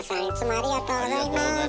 ありがとうございます。